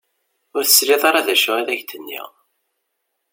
Ur tesliḍ ara d acu i ak-d-nniɣ.